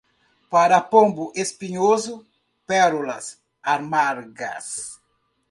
Para pombo espinhoso, pérolas amargas.